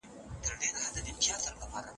وچه مېوه د انرژي لپاره مهمه ده.